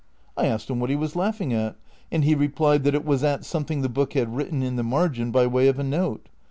I asked him what he was laugh ing at, and he replied that it was at something the book had written in the margin by way of a note.